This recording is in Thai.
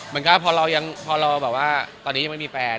มันก็พอเรายังพอเราแบบว่าตอนนี้ยังไม่มีแฟน